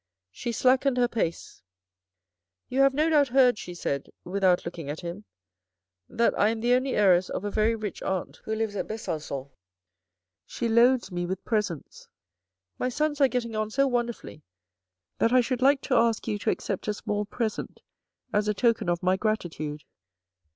She slackened her pace. 40 THE RED AND THE BLACK " You have no doubt heard," she said, " without looking at him, that I am the only heiress of a very rich aunt who lives at Besancon. She loads me with presents My sons are getting on so wonderfully that I should like to ask you to accept a small present as a token of my gratitude.